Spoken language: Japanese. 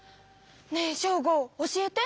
ねえショーゴ教えて。